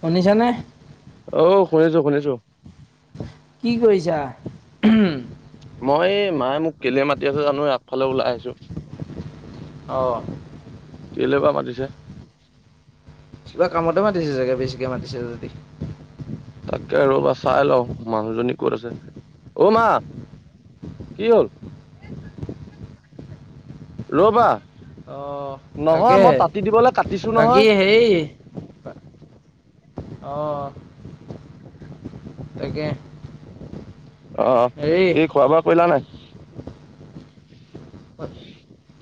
শুনিছানে? অ', শুনিছো শুনিছো। কি কৰিছা? মই এই মায়ে মোক কেইলে মাতি আছে জানো আগফালে ওলাই আহিছো। অ'। কেলে বা মাতিছে? কিবা কামতে মাতিছে চাগে বেছিকে মাতিছে যদি। তাকে ৰ'বা চাই লওঁ মানুহজনী ক'ত আছে, অ' মা কি হ'ল? ৰ'বা, অ', নহয় মই তাতী দিবলৈ কাটিছো নহয়। সেই অ'। তাকে। অ', হেৰি এই খোৱা বোৱা কৰিলা নাই?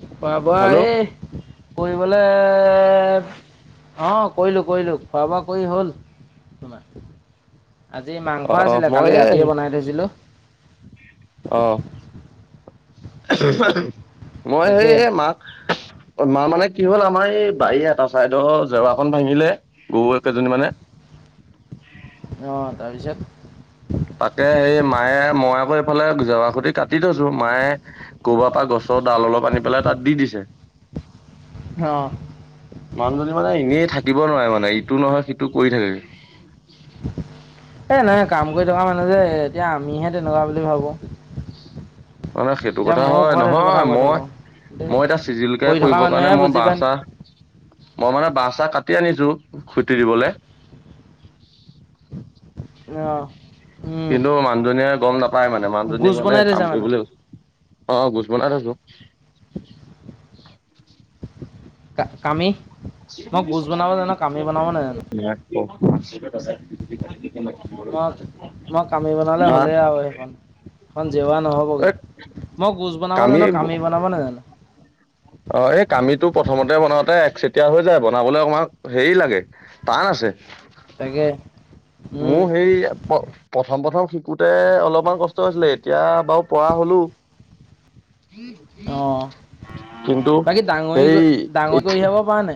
খোৱা বোৱা হেল্ল' এ কৰিবলে অ' কৰিলো কৰিলো খোৱা বোৱা কৰি হ'ল। তোমাৰ আজি অ' মাংস অ আছিলে মই কালি এই ৰাতিয়ে বনাই থৈছিলোঁ। অ', মই তাকে সেই মাক মাৰ মানে কি হ'ল আমাৰ এই বাৰী এটা চাইদৰ জেওৰাখন ভাঙিলে। গৰুকেইজনী মানে। অ', তাৰপিছত? তাকে সেই মায়ে মই আকৌ এইফালে জেৱা খুটি কাটি থৈছো। মায়ে ক'ৰবাৰ পৰা গছৰ ডাল অলপ আনি পেলাই তাত দি দিছে। অ'। মানুহজনী মানে এনেই থাকিব নোৱাৰে মানে ইটো নহয় সিটো কৰি থাকে। এ নাই কাম কৰি থকা মানুহ যে এতিয়া আমিহে তেনেকুৱা বুলি ভাবো। মানে সেইটো এতিয়া কথা ময়ো হয় ঘৰত সেইটো কথা নহয় কৈ মই থাকো। মই এতিয়া চিজিলকে কৰি থকা কৰিবৰ কাৰণে মানুহে মই বুজি বাঁহ পায় চাঁহ মই মানে বাঁহ চাঁহ কাটি আনিছো খুটি দিবলৈ। অ',। উম কিন্তু মানুহজনীয়ে গম নাপায় মানে মানুহজনীক গোজ মানে বনাই কাম থৈছে মানে কৰিবলৈ গ'ল। অ', গুজ বনাই থৈছো। কামি মই গোজ বনাব জানো কামি বনাব নাজানো [unintelligible] মই, মই কামি বনালে হা হ'লেই আৰু সেইখন জেওৱা নহ'- ব গে এই মই গুজ বনাব জানো, কামি বনাব নাজানো। অ', এই কামিটো প্ৰথমতে বনাওঁতে এক চেতিয়া হৈ যায় বনাবলৈ অকণমাণ হেৰি লাগে- টান আছে। তাকে। উম মোৰ সেই- প-প্ৰথম-প্ৰথম শিকোতে অলপমান কষ্ট হৈছিলে এতিয়া বাৰু পৰা হ'লো। অ কিন্তু সেই তই পাৰ নে?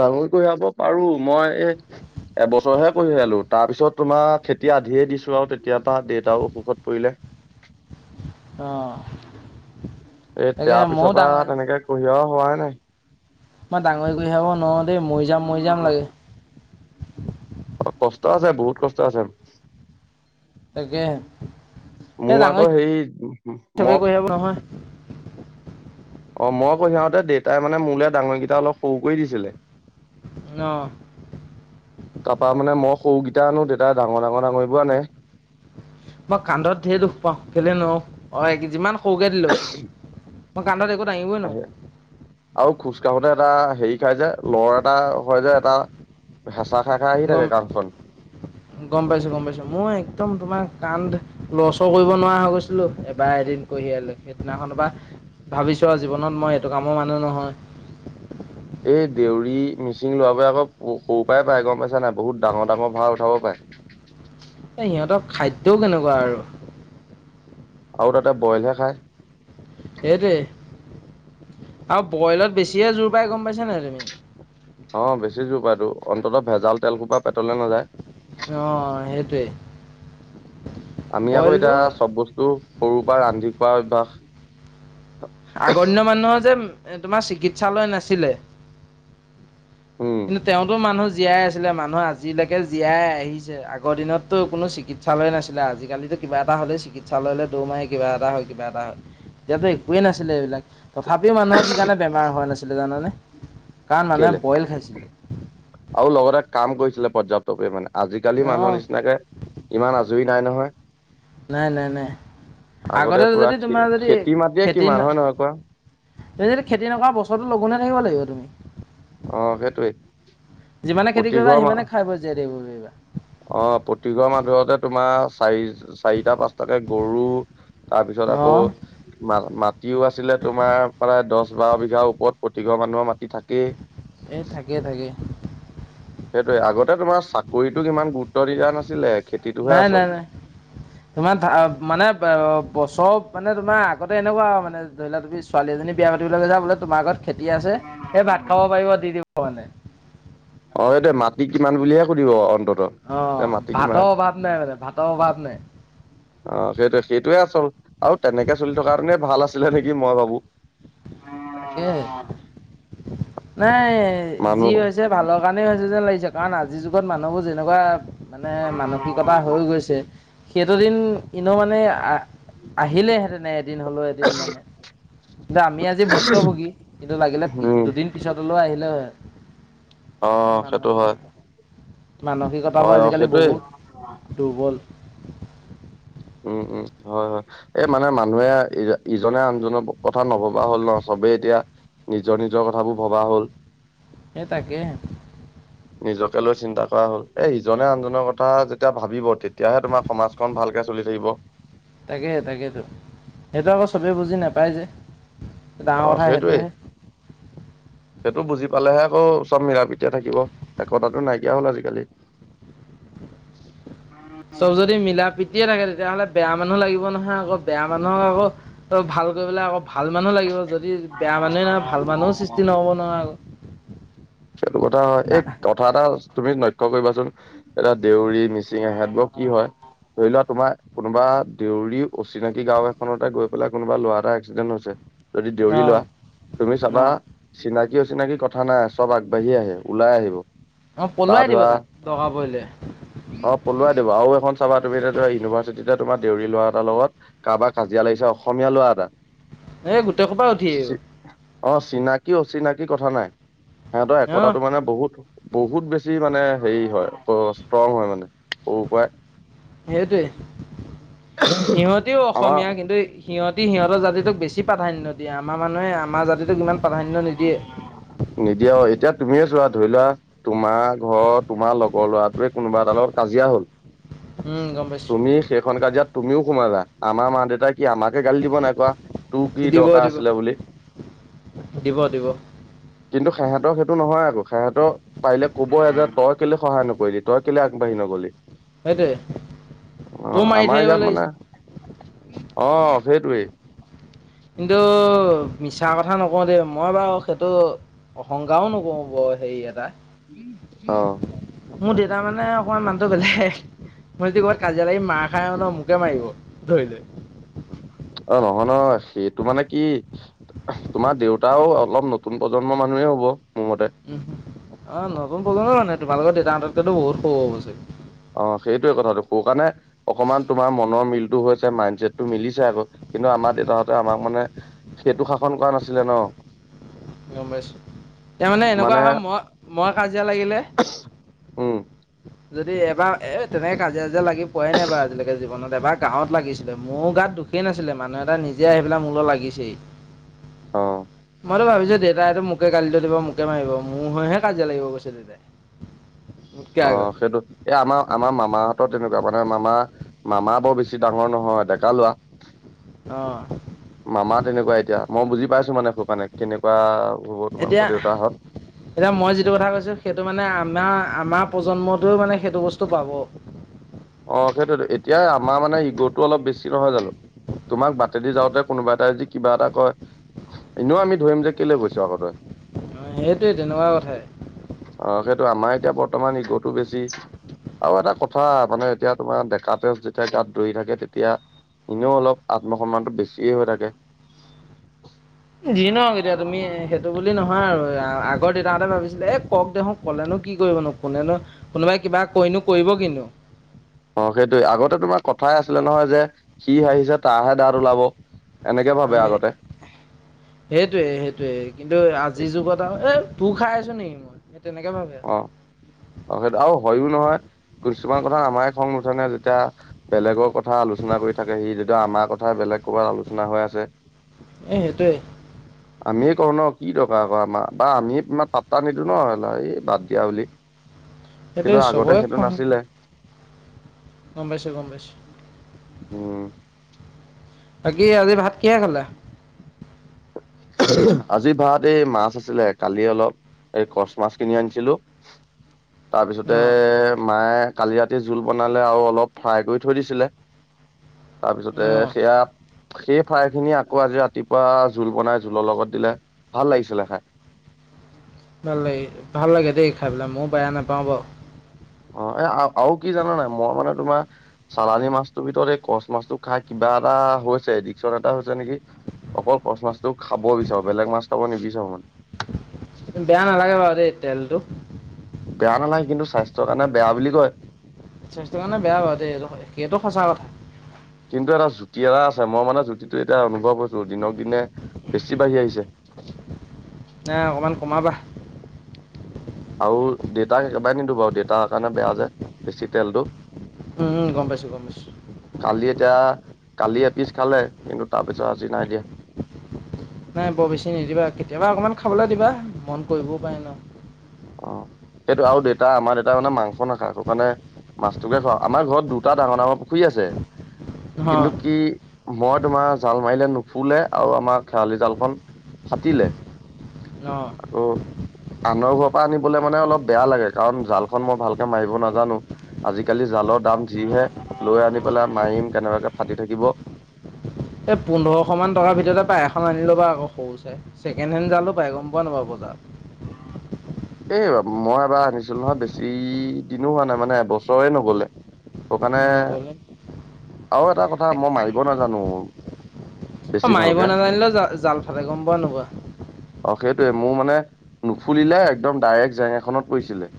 ডাঙৰি কঢিয়াব পাৰো, মই এ- এবছৰ'হে কৰঢ়িয়ালো, তাৰপিছত তোমাৰ খেতি আধিয়ে দিছো আৰু তেতিয়া পৰা দেউতাও অসুখত পৰিলে। অ এ' তাকে তাৰ ময়ো পিছৰ পৰা ডাঙৰ তেনেকে- কঢ়িয়া হোৱা নাই। মই ডাঙৰি কঢ়িয়াব নোৱাৰো দেই মৰি যাম, মৰি যাম লাগে। অ', কষ্ট আছে, বহুত কষ্ট আছে। তাকে, এই মোৰ ডাঙৰী আকৌ হেৰি মই চবেই কঢ়িয়াব নোৱাৰে। অ' মই কঢ়িয়াতে দেউতাই মানে মোৰলে ডাঙৰীকেইটা অলপ সৰু কৰি দিছিলে। অঁ'। তাৰপা মানে মই সৰুকেইটা আনো দেতাই ডাঙৰ-ডাঙৰ-ডাঙৰবোৰ আনে। মই কান্ধত ধেৰ দুখ পাওঁ সেইকাৰণে নোৱাৰো, অ' যিমান সৰুকে দিলো। মই কান্ধত একো ডাঙিব নোৱাৰো। আহে আৰু খোজকাঢ়োতে এটা হেৰি খাই যে ল'ৰ এটা হয় যে এটা- হেঁচা খাই আহি গম থাকে কান্ধ- গম পাইছো, গম পাইছো। মোৰ একদম তোমাৰ কান্ধ- লৰ-চৰ কৰিব নোৱাৰা হৈ গৈছিলো এবাৰ এদিন কঢ়িয়াই লৈ কিনি সেইদিনাখনৰ পা- ভাবিছো আৰু জীৱনত মই এইটো কামৰ মানুহ নহয়। এই দেউৰী, মিচিং ল'ৰাবোৰে আকৌ সৰুপৰাই পাৰে গম পাইছা নাই বহুত ডাঙৰ-ডাঙৰ ভাৰ উঠাব পাৰে। এ' সিহঁতৰ খাদ্যও কেনেকুৱা আৰু। আৰু তা'তে বইলহে খাই। এইটোৱেই। আৰু বইলত বেছিয়ে জোৰ পাই গম পাইছা নে তুমি। অঁ', বেছি জোৰ পাই তো, অন্ততঃ ভেজাল তেল সোপা পেটলে নাযায়। অঁ', -সেইটোৱে। আমি আকৌ এতিয়া বইলটো চব বস্তু সৰুৰ পৰা ৰান্ধি খোৱা অভ্যস। আগৰ দিনৰ মানুহৰ যে তোমাৰ চিকিৎসালয় নাছিলে। উম কিন্তু তেওঁতো মানুহ - জীয়াই আছিলে, মানুহ আজিলৈকে জীয়াই আহিছে। আগৰ দিনতটো কোনো চিকিৎসালয় নাছিলে, আজিকালিতো- কিবা এটা হ'লে চিকিৎসালয়লৈ দৌৰ মাৰে কিবা এটা হয়, কিবা এটা হয়। তেতিয়া- একোৱেই নাছিলে এইবিলাক, তথাপিও মানুহৰ কি কাৰণে বেমাৰ হোৱা নাছিলে জানানে- কাৰণ মানুহে কেলে বইল খাইছিলে। আৰু লগতে কাম কৰিছিলে পৰ্যাপ্ত পৰিমাণে। আজিকালি অঁ মানুহৰ নিচিনাকে ইমান আজৰি নাই নহয়। নাই -নাই -নাই আগতে পুৰা যদি খে তোমাৰ যদি খেতি মাটিয়ে খেতি কিমান হয় নহয় কোৱা তুমি যদি খেতি নকৰা বছৰটো লঘোনে থাকিব লাগিব তুমি। অ সেইটোৱে যিমানে খেতি কৰিবা প্ৰতিঘৰ মা সিমানে খাই বৈ জীয়াই থাকিব পাৰিবা। অ' প্ৰতিঘৰ মানুহটে তোমাৰ চাৰি চাৰিটা পাঁচটাকে গৰু তাৰপিছত আকৌ অঁ মা মাটিও আছিলে তোমাৰ প্ৰায় দহ-বাৰ বিঘাৰ ওপৰত প্ৰতিঘৰ মানুহৰ মাটি থাকেই। এ থাকে- থাকে। সেইটোয়ে, আগতে তোমাৰ চাকৰিতোক ইমান গুৰুত্ব দিয়া নাছিলে। খেতিটোহে নাই - আচল। নাই -নাই। তোমাৰ মানে বছৰ মানে তোমাৰ আগতে এনেকুৱা আৰু মানে ধৰি লোৱা তুমি ছোৱালী এজনী বিয়া পাতিবলৈ গৈছা বোলে তোমাৰ ঘৰত খেতি আছে সেই ভাত খাব পাৰিব দি দিব মানে। অ' এইটোৱে মাটি কিমান বুলিহে সুধিব অন্ততঃ। অ' ভাতৰ অভাৱ নাই মানে ভাতৰ অভাৱ নাই। অ' সেইটোৱে- সেইটোয়ে আচল আৰু তেনেকে চলি থকা হেতেনেই ভাল আছিলে নেকি মই ভাবো। তাকেহে। নাই যি মানুহ হৈছে ভালৰ কাৰণেই হৈছে যেন লাগিছে কাৰণ আজিৰ যুগত মানুহবোৰ যেনেকুৱা মানে মানসিকতা হৈ গৈছে সেইটো দিন ইনেও মানে আহ আহিলেহেতেনে। এদিন হলেও এদিন মানে কিন্তু আমি আজি ভুক্ত ভোগী কিন্তু লাগিলে উম, দুদিন পিছত হ'লেও আহিলে হয়। অ কাৰণ 'সেইটো হয়। মানুহৰ মানসিকতাবোৰ হয় অ', আজিকালি সেইটোৱেই। বহুত দুৰ্বল। উম- উম হয়- হয় এই মানে মানুহে ইজনে আনজনৰ কথা নভবা হ'ল নহ চবেই এতিয়া নিজৰ নিজৰ কথাবোৰ ভবা হ'ল। সেই তাকেহে নিজকে লৈ চিন্তা কৰা হ'ল, এ ইজনে আনজনৰ কথা যেতিয়া ভাবিব তেতিয়াহে তোমাক সমাজখন ভালকে চলি থাকিব। তাকেহে তাকেইতো সেইটো আকৌ চবে বুজি নাপায় যে। ডাঙৰ অ' কথা সেইটোৱেই। সেইটোহে সেইটো বুজি পালেহে আকৌ চ'ব মিলা-প্ৰীতিয়ে থাকিব একতাটো নাইকিয়া হ'ল আজিকালি। চব যদি মিলা প্ৰীতিয়ে থাকে তেতিয়াহ'লে বেয়া মানুহ লাগিব নহয় আকৌ বেয়া মানুহক আকৌ ত ভাল কৰিবলে আকৌ ভাল মানুহ লাগিব যদি বেয়া মানুহে নহয় ভাল মানুহো সৃষ্টি নহ'ব নহয় আকৌ। সেইটো কথা হয় এক কথা এটা তুমি লক্ষ্য কৰিবাচোন এতিয়া দেউৰী মিচিং এহতবোৰ কি হয় ধৰি লোৱা তোমাৰ কোনোবা দেউৰী অচিনাকি গাঁও এখনতে গৈ পেলাই কোনোবা ল'ৰা এটা এক্সিডেণ্ট হৈছে। যদি অ দেউৰি ল'ৰা তুমি অ চাবা চিনাকি অচিনাকি কথা নাই চব আগবাঢ়ি আহে ওলাই আহিব। অ' বা পলুৱাই দিব ধৰা তাক দৰকাৰ পৰিলে। অ' পলুৱাই দিব আৰু এখন চাবা তুমি এতিয় ধৰা ইউনিভাৰ্চিটিতে তোমাৰ দেউৰী লৰা এটাৰ লগত কাৰোবাৰ কাজিয়া লাগিছে অসমীয়া ল'ৰা এটা এ গোটেই সোপ চি অ' চিনাকি অচিনাকি কথা নাই সিহঁতৰ অ একতাটো মানে বহুত। বহুত বেছি মানে হেৰি হয় ষ্ট্ৰং হয় মানে সৰু পৰাই। সেইটোয়ে, সিহটিও আমাৰ অসমীয়া কিন্তু সিহঁতি সিহঁতৰ জাতিটোক বেছি প্ৰাধান্য দিয়ে, আমাৰ মানুহে আমাৰ জাতিটোক ইমান প্ৰাধান্য নিদিয়ে। নিদিয়ে অ', এতিয়া তুমিয়ে চোৱা ধৰি লোৱা তোমাৰ ঘৰ তোমাৰ লগ গৰ ল'ৰাটোৱে কোনোবা এটাৰ লগত কাজিয়া হ'ল। উম গম পাইছো তুমি সেইখন কাজিয়াত তুমিও সোমালা আমাৰ মা দেউতাই কি আমাকে গালি দিব নাই তোৰ কি দিব দৰকাৰ দিব আছিলে বুলি? দিব, দিব। কিন্তু সেহঁতৰ সেইটো নহয় আকৌ, সেহঁতৰ পাৰিলে ক'ব হে যে তই কেলে সহায় নকৰিলি তই কেলে আগবাঢ়ি নগ'লি। সেইটোৱে তোৰ অ', মাৰি আমাৰ ধৰিব ইয়াত মানে লাগিছিল অ' সেইটোৱেই। কিন্তু মিছা কথা নকওঁ দেই, মই বাৰু সেইটো অহংকাৰো নকৰো হেৰি এটা। অ'। মোৰ দেউতা মানে অকমান মানুহটো বেলেগ, মই যদি ক'ৰবাত কাজিয়া লাগি মাৰ খাই অহো ন মোকে মাৰিব ধৰি লৈ। অ', নহয় নহয় সেইটো মানে কি তোমাৰ দেউতাও অলপ নতুন প্ৰজন্মৰ মানুহে হ'ব মোৰ মতে? উম, অ' নতুন প্ৰজন্মই মানে তোমাৰলোকৰ দেউতা হঁততকে বহুত সৰু হ'ব চাগে। অ', সেইটোয়ে কথাটো, সৌ কাৰণে অকমান তোমাৰ মনৰ মিলটো হৈছে মাইণ্ড চেটটো মিলিছে আকৌ, কিন্তু আমাৰ চাগে দেউতাহঁতে আমাক মানে সেইটো শাসন কৰা নাছিলে ন। গ'ম পাইছো, এতিয়া মানে এনেকুৱা হয় মই মই কাজিয়া লাগিলে উম যদি এবাৰ, এ তেনেকে কাজিয় চাজিয়া লাগিয়ে পোৱাই নাই বাৰু আজিলৈকে জীৱনত। এবাৰ গাঁৱত লাগিছিলে, মোৰো গাত দোষেই নাছিলে মানুহ এটা নিজে আহি পেলাই মোৰ লগত লাগিছেহি। অ'। মইতো ভাবিছো দেউতাই এইটো মোকে গালি দিব মোকে মাৰিব, মোৰ হৈহে কাজিয়া লাগিব গৈছে দেউতাই। মোতকে অ' আগত সেইটো এ আমাৰ আমাৰ মামাহঁতৰ তেনেকুৱা মানে, মামা মামা বৰ বেছি ডাঙৰ নহয় ডেকা ল'ৰা। অ'। মামা তেনেকুৱা এতিয়া, মই বুজি পাইছো মানে সৈকাৰনে কেনেকুৱা হ'ব এতিয়া তোমালোকৰ দেউতাহঁত। এতিয়া মই যিটো কথা কৈছো সেইটো মানে আমাৰ আমাৰ প্ৰজন্মতও মানে সেইটো বস্তু পাব। অ' সেইটোৱেটো, এতিয়া আমাৰ মানে ইগ'টো অলপ বেছি নহয় জানো? তোমাক বাটেদি যাওঁতে কোনোবা এটাই যদি কিবা এটা কয়। এনেও আমি ধৰিম যে কেলে কৈছ আকৌ তই? সেইটোৱেই তেনেকুৱা কথাই। সেইটো আমাৰ এতিয়া বৰ্তমান ইগ'টো বেছি, আৰু এটা কথা। মানে এতিয়া তোমাৰ ডেকাতেজ যেতিয়া গাত দৌৰি থাকে, তেতিয়া এনেও অলপ আত্মসন্মানটো বেছিয়ে হৈ থাকে। যি নহওঁক এতিয়া তুমি সেইটো বুলি নহয় আৰু, আগৰ দেউতাহঁতে ভাবিছিলে এ কওঁক দে হওঁক ক'লেনো কি কৰিব নো। কোনে নো কোনোবাই কিবা কৈনো কৰিব কি নো? অ' সেইটোৱে, আগতে তোমাৰ কথাই আছিলে নহয় যে সি আহিছে তাৰাহে দাঁত ওলাব। এনেকে ভাবে আগতে। সেইটোয়ে সেইটোয়ে, কিন্তু আজিৰ যুগত আৰু এ তোৰ খাই আছো নেকি মই। সেই তেনেকে ভাবে। আৰু অ', সেইটো, আৰু হয়ো নহয় কিছুমান কথাত আমাৰে খং নুঠে, যেতিয়া বেলেগৰ কথা আলোচনা কৰি থাকে। সি আমাৰ কথা বেলেগ। কৰ'বাত আলোচনা হৈ আছে। এই সেইটোৱে আমিয়েই কৰো ন' কি দৰকাৰ আকৌ আমাৰ বা আমি ইমান পাট্টা নিদিও ন' এই বাদ দিয়া বুলি সেইটোৱে কিন্তু, আগতে চবৰে সেইটো খং নাছিলে। গম পাইছোঁ, ‌গম পাইছোঁ। উম বাকি আজি ভাত কিহে খালা। আজি ভাত এই মাছ আছিলে। কালি অলপ কচ মাছ কিনি আনিছিলোঁ। ন তাৰপিছতে মায়ে। কালি ৰাতি জোল বনালে আৰু অলপ ফ্ৰাই কৰি থৈ দিছিলে। ন তাৰপিছতে সেয়া, সেই ফ্ৰাখিনি আকৌ আজি ৰাতিপুৱা। জোল বনাই জোলৰ লগত দিলে, ভাল লাগিছিলে খাই। ভাল লাগে ভাল দেই খাই পেলাই ময়ো বেয়া নাপাওঁ বাৰু। অ' এ আৰু কি জানা নাই। মই মানে তোমাৰ চালানী মাছটোৰ ভিতৰত এই কচ মাছটো খাই কিবা এটা হৈছে এডিকচন এটা হৈছে নেকি? অকল কচ মাছটো খাব বিচাৰো। বেলেগ মাছ খাব নিবিচাৰো মানে। বেয়া নালাগে বাৰু দেই তেলটো। বেয়া নালাগ কিন্তু স্বাস্থ্যৰ কাৰণে বেয়া বুলি কয়। স্বাস্থ্যৰ কাৰণে বেয়া বাৰু দেই এই সেইটো সঁচা কথা। কিন্তু এটা জুতি এটা আছে মই মানে জুতিটো এতিয়া অনুভৱ কৰিছো দিনক দিনে। বেছি বাঢ়ি আহিছে। নাই অকণমান কমাবা। আৰু দেতাক একেবাৰে নিদো বাৰু দেতাৰ কাৰণে বেয়া যে, বেছি তেলটো। উম উম গম পাইছো। গম পা কালি এতিয়া কালিয এপিচ খালে কিন্তু তাৰ পিছত আজি নাই দিয়া। নাই বৰ বেছি নিদিবা। কেতিয়াবা অকমান খাবলৈ দিবা, মন কৰিবও পাৰে ন। অ' সেইটো আৰু দেউেতা আমাৰ দেউতাই মানে মাংস নাখায় টো কাৰণে। মাছটোকে খাওঁ, আমাৰ ঘৰত দুটা ডাঙৰ ডাঙৰ পুখুৰী আছে। কিন্তু। নহয় কি মই তোমাৰ জাল মাৰিলে নুফুলে আৰু আমাৰ খেৱালি জালখন ফাটিলে, অ আৰু আনৰ ঘৰ পা আনিবলৈ মানে অলপ বেয়া লাগে কাৰণ জালখন মই ভালকে মাৰিব নাজানোঁ। আজিকালি জালৰ দাম যিহে, লৈ আনি পেলাই মাৰিম কেনেবাকে ফাটি থাকিব। এই পোন্ধৰশ মান টকাৰ ভিতৰতে পাই এখন আনিলবা আকৌ সৰু চাই। ছেকেণ্ড হেণ্ড জালো পাই গম পোৱা নোপোৱা বজাৰত। এই মই এবাৰ আনিছিলো নহয় বেছি দিনো হোৱা নাই মানে এবছৰে নগলে। সেই কাৰণে, নগ'লে আৰু এটা কথা মই মাৰিব নাজানোঁ। অ' মাৰিব নাজানিলে জ জাল ফালে গম পোৱা নোপোৱা। অ' সেইটোৱে মোৰ মানে, নুফুলিলে একদম ডাইৰেক্ট জেং এখনত পৰিছিলে।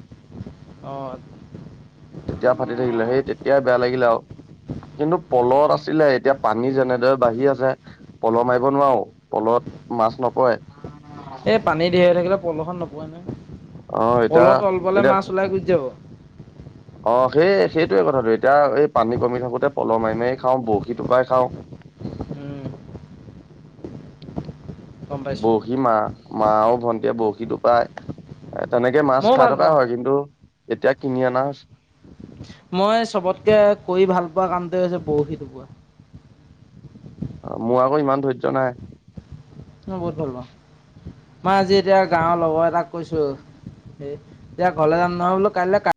অ'। তেতিয়া ফাাটি থাকিলে সেই তেতিয়াই বেয়া লাগিলে আৰু। কিন্তু পলত তাকে আছিলে এতিয়া পানী যেনেদৰে বাঢ়ি আছে। পল মাৰিব নোৱাৰো। পলত মাছ নপৰে। এই পানী ঢেৰ হৈ থাকিলে পলহত নপৰে অ নহয়, এতিয়া পলহ তলফালে এতিয়া মাছ ওলাই গুচি যাব। অ' সেই সেইটোৱে কথাটো এতিয়া এই পানী কমি থাকোতে পলহ মাৰি মাৰীয়ে খাওঁ বৰশী টোপাই খাওঁ। উম গম পাইছোঁ। হিমা মা আৰু ভন্টীয়ে বৰশী টোপাই, তেনেকে মাছ ময়ো খাই ভাল থকা পাওঁ হয় কিন্তু। এতিয়া কিনি আনা হৈছে। মই চবতকে কৰি ভাল পোৱা কামটোৱে হৈছে বৰশী টোপোৱা অ মোৰ আকৌ ইমান ধৈৰ্য নাই মই বহুত ভাল পাওঁ, মই আজি এতিয়া গাঁওৰ লগৰ এটাক কৈছোঁ এ এতিয়া ঘৰলে যাম নহয় বোলোঁ কাইলে